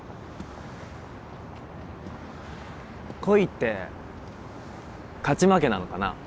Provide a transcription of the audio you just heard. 恋って勝ち負けなのかな？